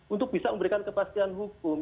untuk bisa memberikan kepastian hukum